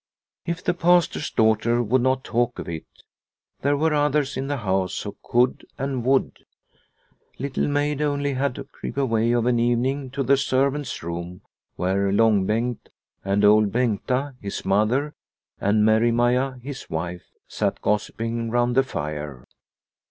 If the Pastor's daughter would not talk of it, there were others in the house who could and would. Little Maid only had to creep away of an evening to the servants' room where Long Bengt and Old Bengta, his mother, and Merry Maia, his wife, sat gossiping round the fire.